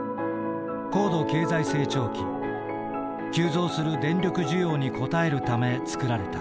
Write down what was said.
高度経済成長期急増する電力需要に応えるため造られた。